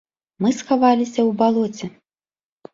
Мы схаваліся ў балоце.